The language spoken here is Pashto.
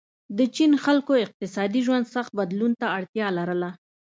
د چین خلکو اقتصادي ژوند سخت بدلون ته اړتیا لرله.